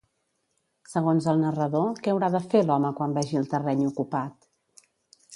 Segons el narrador, què haurà de fer l'home quan vegi el terreny ocupat?